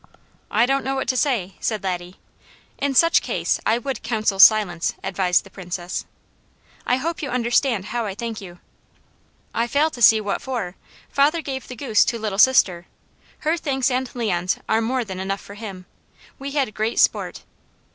"I don't know what to say!" said Laddie. "In such case, I would counsel silence," advised the Princess. "I hope you understand how I thank you." "I fail to see what for. Father gave the goose to Little Sister. Her thanks and Leon's are more than enough for him. We had great sport."